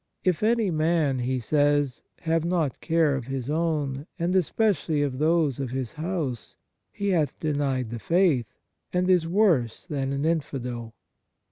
" If any man," he says, " have not care of his own, and especi ally of those of his house, he hath denied the faith, and is worse than an infidel."